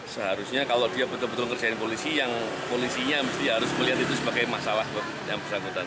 seharusnya kalau dia betul betul ngerjain polisi yang polisinya harus melihat itu sebagai masalah yang bersangkutan